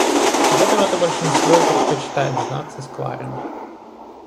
От этого-то большинство и предпочитает знаться с Кларами.